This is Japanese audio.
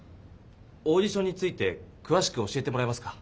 オーディションについてくわしく教えてもらえますか？